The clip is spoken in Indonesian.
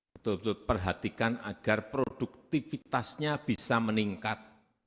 betul betul perhatikan agar produktivitasnya bisa meningkat